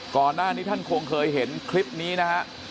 ก่อนหน้านี้ท่านคงเคยเห็นคลิปนี้นะฮะ